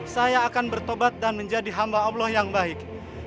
saya akan bertobat dan menjadi hamba allah yang baik